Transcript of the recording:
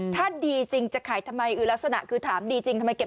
ถ้าดีจริงจะขายทำไมรสนะคือถามดีจริงทำไม